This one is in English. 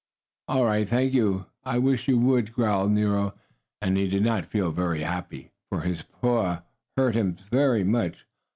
"All right, thank you, I wish you would," growled Nero, and he did not feel very happy, for his paw hurt him very much.